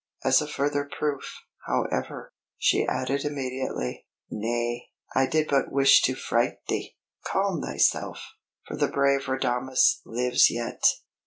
As a further proof, however, she added immediately: "Nay, I did but wish to fright thee! Calm thyself, for the brave Radames lives yet!"